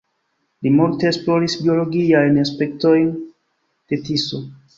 Li multe esploris biologiajn aspektojn de Tiso.